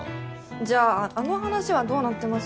じゃああの話はどうなってます？